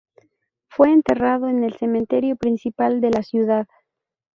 Fue enterrado en el cementerio principal de la ciudad.